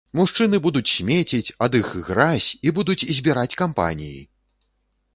Мужчыны будуць смеціць, ад іх гразь, і будуць збіраць кампаніі!